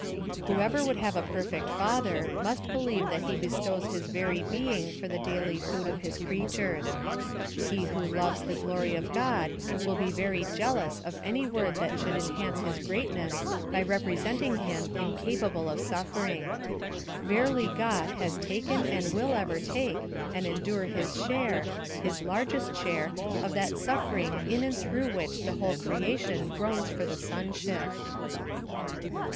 Whoever would have a perfect Father, must believe that he bestows his very being for the daily food of his creatures. He who loves the glory of God will be very jealous of any word that would enhance his greatness by representing him incapable of suffering. Verily God has taken and will ever take and endure his share, his largest share of that suffering in and through which the whole creation groans for the sonship.